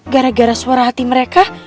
gara gara suara hati mereka